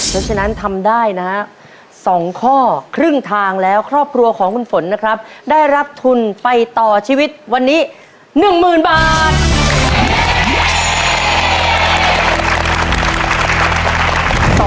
เพราะฉะนั้นทำได้นะฮะ๒ข้อครึ่งทางแล้วครอบครัวของคุณฝนนะครับได้รับทุนไปต่อชีวิตวันนี้๑๐๐๐บาท